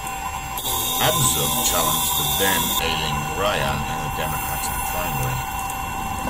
Abzug challenged the then ailing Ryan in the Democratic primary.